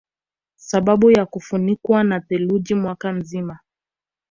Sababu ya kufunikwa na theluji mwaka mzima